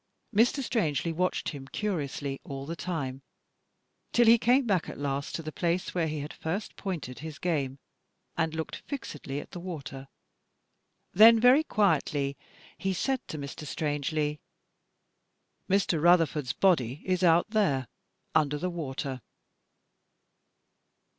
Mr. Strangely watched him curiously all the time, till he came back at last to the place where he had first pointed his game, and looked fixedly at the water. Then very quietly he said to Mr. Strangely: *'Mr. Rutherford's body is out there, under the water."